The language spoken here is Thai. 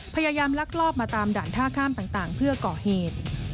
ลักลอบมาตามด่านท่าข้ามต่างเพื่อก่อเหตุ